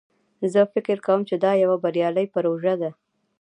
زه فکر کوم چې دا یوه بریالی پروژه ده